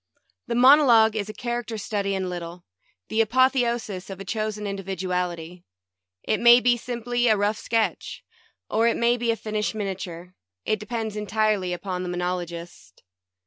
The monologue is a character study in lit tle; the apotheosis of a chosen individuality. It may be simply a rough sketch, or it may be a finished miniature — it depends entirely upon the monologist.